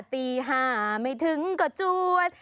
ตี๕ไม่ถึงก็จวด